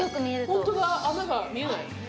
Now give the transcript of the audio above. ホントだ、穴が見えない。